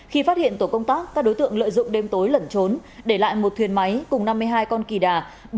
khi phát hiện tổ công tác các đối tượng lợi dụng đêm tối lẩn trốn để lại một thuyền máy cùng năm mươi hai con kỳ đà